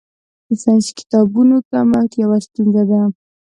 د ساینسي کتابونو کمښت یوه ستونزه ده.